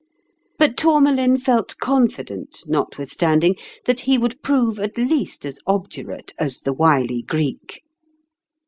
But Tourmalin felt confident, notwithstanding, that he would prove at least as obdurate as the wily Greek.